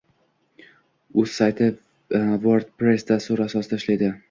Uz sayti wordpress dasturi asosida ishlaydi